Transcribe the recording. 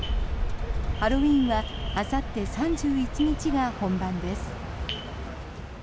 ハロウィーンはあさって３１日が本番です。